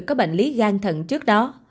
có bệnh lý gan thận trước đó